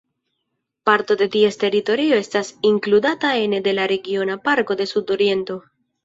Parto de ties teritorio estas inkludata ene de la Regiona Parko de Sudoriento.